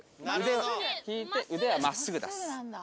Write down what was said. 引いて腕は真っすぐ出す。